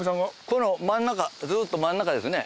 この真ん中ずっと真ん中ですよね。